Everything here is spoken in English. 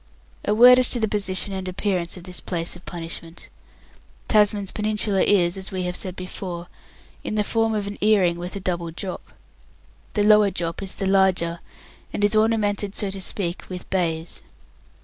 A word as to the position and appearance of this place of punishment. Tasman's Peninsula is, as we have said before, in the form of an earring with a double drop. The lower drop is the larger, and is ornamented, so to speak, with bays.